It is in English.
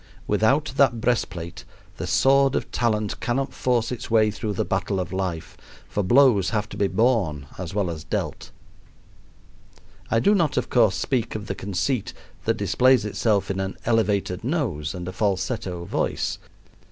Without that breast plate the sword of talent cannot force its way through the battle of life, for blows have to be borne as well as dealt. I do not, of course, speak of the conceit that displays itself in an elevated nose and a falsetto voice.